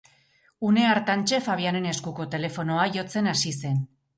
Une hartantxe Fabianen eskuko telefonoa jotzen hasi zen.